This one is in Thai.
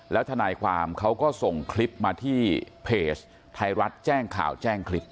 แล้วทนายความเขาก็ส่งคลิปมาที่เพจไทยรัฐแจ้งข่าวแจ้งคลิป